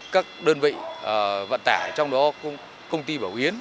các đơn vị vận tải trong đó công ty bảo yến